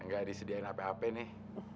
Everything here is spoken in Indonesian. gak disediain apa apa nih